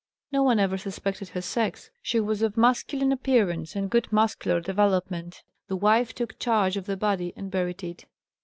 No one ever suspected her sex. She was of masculine appearance and good muscular development. The "wife" took charge of the body and buried it.